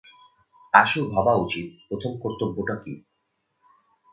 আশু ভাবা উচিত প্রথম কর্তব্যটা কী।